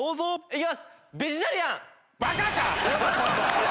いきます！